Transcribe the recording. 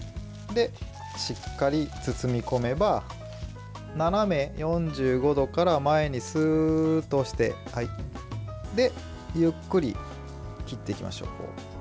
しっかり包み込めば斜め４５度から前にスーッと押してゆっくり切っていきましょう。